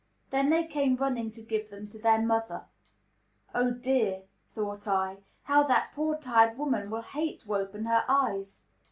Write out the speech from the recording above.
Then they came running to give them to their mother. "Oh dear," thought I, "how that poor, tired woman will hate to open her eyes!